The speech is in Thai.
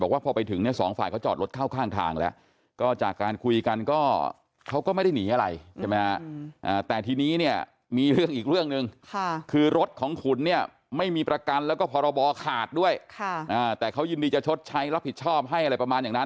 บอกว่าพอไปถึง๒ฝ่ายเขาจอดรถเข้าข้างทางแล้ว